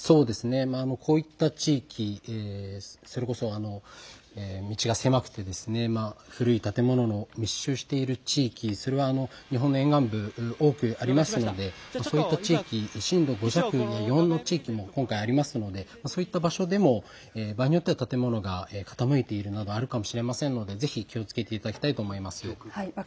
こういった地域、それこそ道が狭くて古い建物が密集している地域、それは日本の沿岸部、多くありますのでそういった地域、震度５弱や４の地域も今回ありますのでそういった場所でも場合によっては建物が傾いているものがあるかもしれませんので気をつけていただきたいと思います。